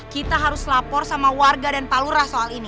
kita harus lapor sama warga dan talurah soal ini